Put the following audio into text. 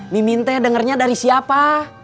mimin teh dengernya dari siapa